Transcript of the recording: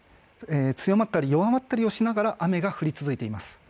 強まったり弱まったりしながら雨が降り続いています。